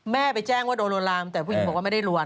แม่ไปแจ้งว่าโดนลวนลามแต่ผู้หญิงบอกว่าไม่ได้รวน